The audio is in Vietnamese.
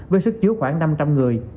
với sức chứa khoảng năm trăm linh người